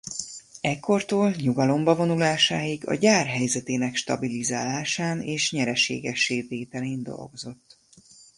Ekkortól nyugalomba vonulásáig a gyár helyzetének stabilizálásán és nyereségessé tételén dolgozott.